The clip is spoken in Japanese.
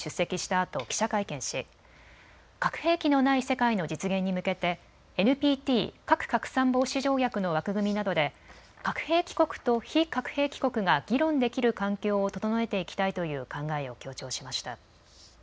あと記者会見し核兵器のない世界の実現に向けてＮＰＴ・核拡散防止条約の枠組みなどで核兵器国と非核兵器国が議論できる環境を整えていきたいという考えを強調しました。